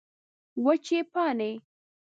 وچې پاڼې